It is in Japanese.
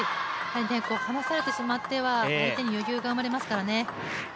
離されてしまっては相手に余裕が生まれますからね。